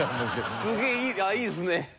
すげえいいですね。